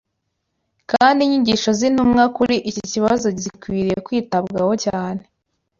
kandi inyigisho z’intumwa kuri iki kibazo zikwiriye kwitabwaho cyane